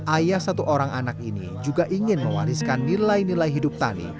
ayah satu orang anak ini juga ingin mewariskan nilai nilai hidup tani